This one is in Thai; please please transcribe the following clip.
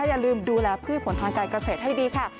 อย่าลืมดูแลพืชผลทางการเกษตรให้ดีค่ะ